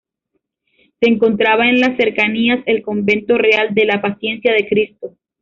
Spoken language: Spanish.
Se encontraba en las cercanías el Convento Real de la Paciencia de Cristo.